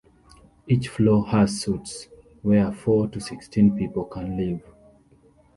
Each floor has suites, where four to sixteen people can live.